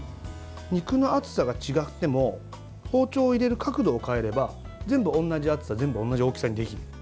肉の厚さが違っても包丁を入れる角度を変えれば全部同じ厚さ全部同じ大きさにできる。